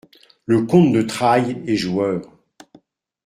Le comte de Trailles est joueur.